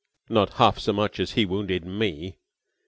"Not half so much as he wounded me!